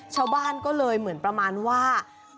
ชาวบ้านก็เลยเหมือนประมาณว่า